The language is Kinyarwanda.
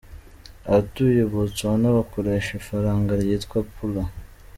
Abatuye Botswana bakoresha ifaranga ryitwa “pula”.